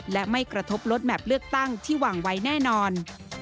และไม่กระทบลดแมพเลือกตั้งที่วางไว้แน่นอน